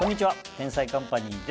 『天才‼カンパニー』です。